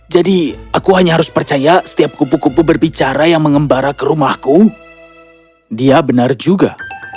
jadi aku hanya harus percaya setiap kupu kupu berbicara yang mengembara ke rumahku dia benar juga